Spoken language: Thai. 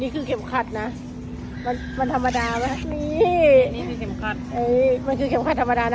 เข็มขัดนะมันมันธรรมดาไหมนี่นี่คือเข็มขัดมันคือเข็มขัดธรรมดานะ